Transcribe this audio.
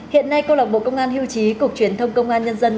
hiện nay công lạc bộ công an hiêu chí cục truyền thông công an nhân dân